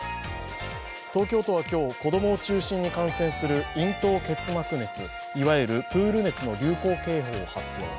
東京都は今日、子供を中心に感染する咽頭結膜熱、いわゆるプール熱の流行警報を発表。